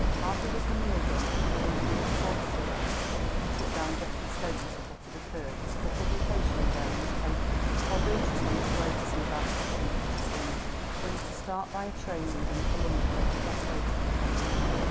Hardly was the meal done when three reporters arrived and took down Geoffrey's statement of what had occurred, for publication in various papers, while Beatrice went away to see about packing Effie's things. They were to start by a train leaving for London at half past eight on the following morning.